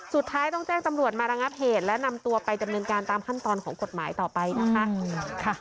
สุดท้ายต้องแจ้งตำรวจมาระงับเหตุและนำตัวไปดำเนินการตามขั้นตอนของกฎหมายต่อไปนะคะ